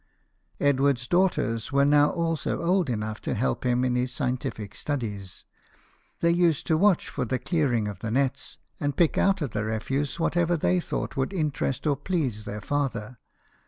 Edward's daughters were now also old enough to help him in his scientific studies. They used to watch for the clearing of the nets, and pick out of the refuse what ever they thought would interest or please their father.